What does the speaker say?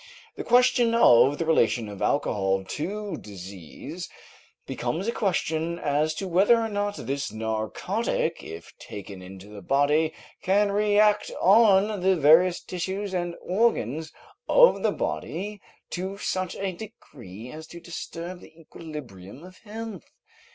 The question of the relation of alcohol to disease becomes a question as to whether or not this narcotic if taken into the body can react on the various tissues and organs of the body to such a degree as to disturb the equilibrium of health.